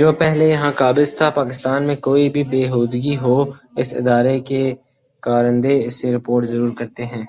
جو پہلے یہاں قابض تھا پاکستان میں کوئی بھی بے ہودگی ہو اس ادارے کے کارندے اسے رپورٹ ضرور کرتے ہیں